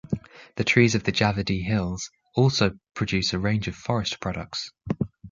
The trees of the Javadhi Hills also produce a range of forest products.